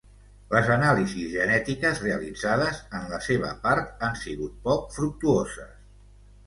Les anàlisis genètiques realitzades, en la seva part, han sigut poc fructuoses.